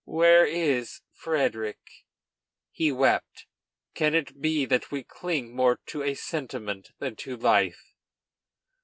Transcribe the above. Where is Frederic?" He wept. Can it be that we cling more to a sentiment than to life?